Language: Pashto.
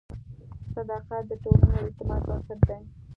صداقت د ټولنې د اعتماد بنسټ دی.